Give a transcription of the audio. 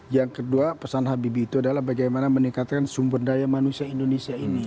yang kedua pesan habibie itu adalah bagaimana meningkatkan sumber daya manusia indonesia ini